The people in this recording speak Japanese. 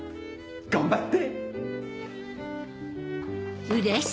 頑張って！